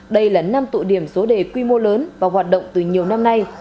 đây là năm tụ điểm số đề quy mô lớn và hoạt động từ nhiều năm nay